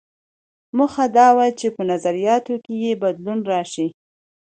موخه دا وه چې په نظریاتو کې یې بدلون راشي.